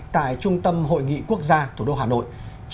tại trung tâm hội nghị quốc gia thủ đô hà nội